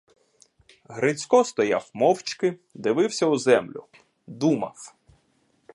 Грицько стояв мовчки, дивився у землю — думав.